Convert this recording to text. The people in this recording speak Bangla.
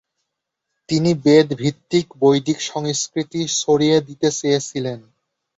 তিনি বেদ ভিত্তিক বৈদিক সংস্কৃতি ছড়িয়ে দিতে চেয়েছিলেন।